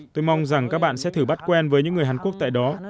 tôi mong rằng các bạn sẽ thử bắt quen với những người hàn quốc tại đó